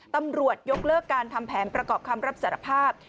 ตำรวจยกเลิกการทำแผนประกอบคำรับสารภาพ